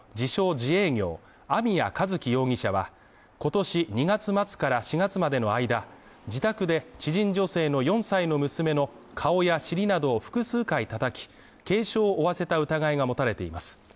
自営業網谷一希容疑者は今年２月末から４月までの間、自宅で知人女性の４歳の娘の顔や尻などを複数回たたき、軽傷を負わせた疑いが持たれています。